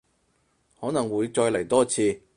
可能會再嚟多次